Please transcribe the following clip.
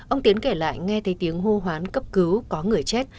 ông tiến kể lại nghe thấy tiếng hô hoán cấp cứu có người chết